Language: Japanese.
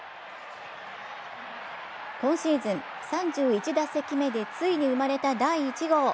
今シーズン３１打席目でついに生まれた第１号。